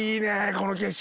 この景色。